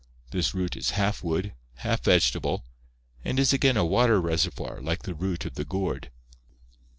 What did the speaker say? This root is half wood, half vegetable, and is again a water reservoir like the root of the gourd."